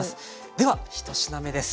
では１品目です。